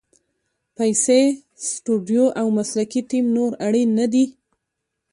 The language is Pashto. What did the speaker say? پیسې، سټوډیو او مسلکي ټیم نور اړین نه دي.